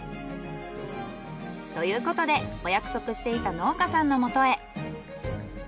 ということでお約束していた農家さんのもとへ。